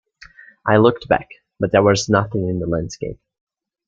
I looked back, but there was nothing in the landscape.